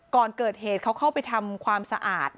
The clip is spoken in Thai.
ก่อนเกิดเหตุเขาเข้าไปทำความสะอาด